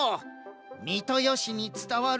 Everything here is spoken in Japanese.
三豊市につたわる